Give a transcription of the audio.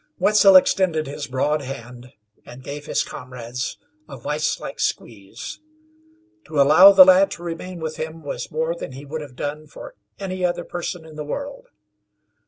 Wetzel extended his broad hand and gave his comrade's a viselike squeeze. To allow the lad to remain with him was more than he would have done for any other person in the world.